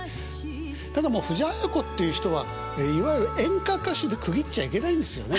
ただもう藤あや子っていう人はいわゆる「演歌歌手」で区切っちゃいけないんですよね。